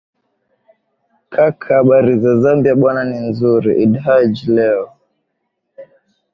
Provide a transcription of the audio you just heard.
kaka habari za zambia bwana ni nzuri idd hajj leo